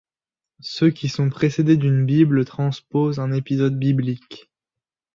Ceux qui sont précédés d'une bible transposent un épisode biblique.